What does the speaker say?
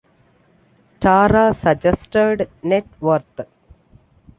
Tara suggested Net Worth.